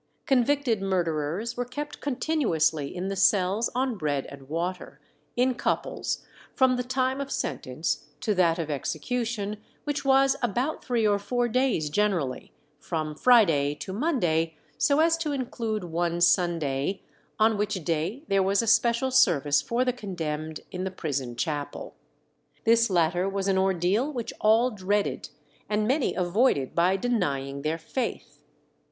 Convicted murderers were kept continuously in the cells on bread and water, in couples, from the time of sentence to that of execution, which was about three or four days generally, from Friday to Monday, so as to include one Sunday, on which day there was a special service for the condemned in the prison chapel. This latter was an ordeal which all dreaded, and many avoided by denying their faith.